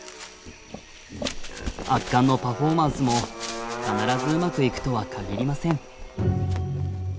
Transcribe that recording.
圧巻のパフォーマンスも必ずうまくいくとは限りません。